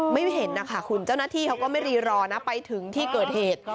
ไม่เห็นนะคะคุณเจ้าหน้าที่เขาก็ไม่รีรอนะไปถึงที่เกิดเหตุ